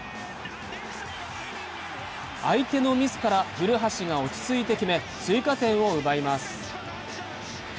相手のミスから古橋が落ち着いて決め、追加点を奪います。